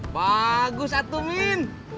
bagus atuh min